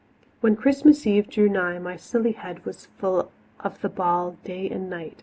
When Christmas Eve drew nigh my silly head was full of the ball day and night.